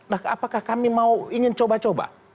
nah apakah kami mau ingin coba coba